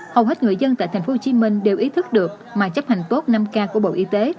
hầu hết người dân tại tp hcm đều ý thức được mà chấp hành tốt năm k của bộ y tế